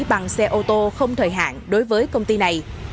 bằng xe ô tô không thời hạn đối với công ty này